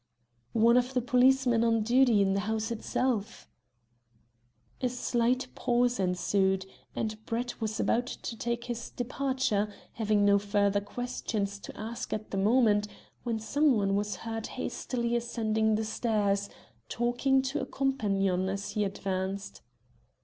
"One of the policemen on duty in the house itself." A slight pause ensued, and Brett was about to take his departure, having no further questions to ask at the moment, when some one was heard hastily ascending the stairs, talking to a companion as he advanced.